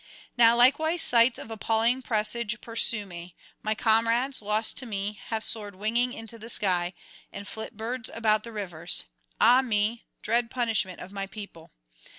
Now likewise sights of appalling presage pursue me; my comrades, lost to me, have soared winging into the sky, and flit birds about the rivers ah me, dread punishment of my people!